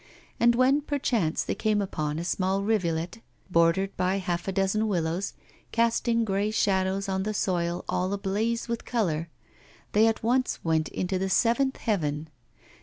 And when perchance they came upon a small rivulet, bordered by half a dozen willows, casting grey shadows on the soil all ablaze with colour, they at once went into the seventh heaven.